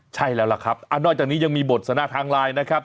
ใช่แล้วล่ะครับนอกจากนี้ยังมีบทสนาทางไลน์นะครับ